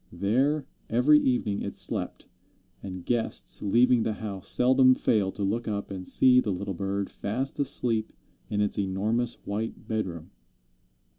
There every evening it slept, and guests leaving the house seldom failed to look up and see the little bird fast asleep in its enormous white bedroom.